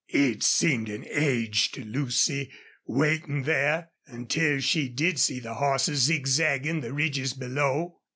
It seemed an age to Lucy, waiting there, until she did see horses zigzagging the ridges below.